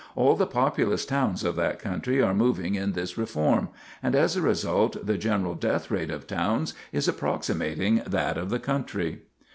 All the populous towns of that country are moving in this reform, and, as a result, the general death rate of towns is approximating that of the country.